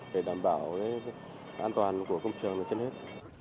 để đảm bảo an toàn của công trường trên hết